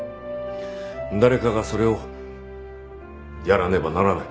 誰かがそれをやらねばならない。